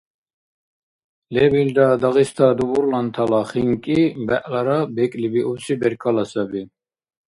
Лебилра Дагъиста дубурлантала хинкӀи - бегӀлара бекӀлибиубси беркала саби.